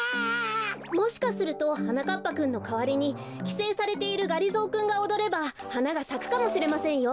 もしかするとはなかっぱくんのかわりにきせいされているがりぞーくんがおどればはながさくかもしれませんよ。